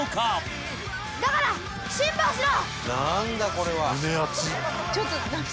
だから辛抱しろ！